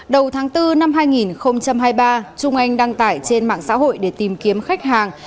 đầu tháng bốn năm hai nghìn hai mươi ba trung anh đăng tải trên mạng xã hội để tìm kiếm khách hàng